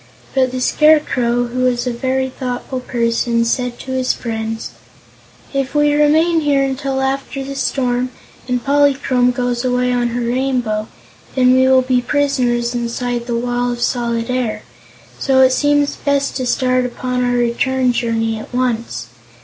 But the Scarecrow, who was a very thoughtful person, said to his friends: "If we remain here until after the storm, and Polychrome goes away on her Rainbow, then we will be prisoners inside the Wall of Solid Air; so it seems best to start upon our return journey at once.